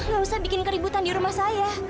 gak usah bikin keributan di rumah saya